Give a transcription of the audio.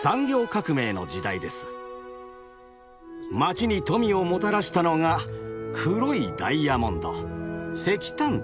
街に富をもたらしたのが黒いダイヤモンド石炭です。